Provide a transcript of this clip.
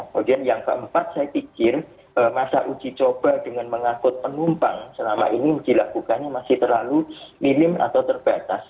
kemudian yang keempat saya pikir masa uji coba dengan mengangkut penumpang selama ini dilakukannya masih terlalu minim atau terbatas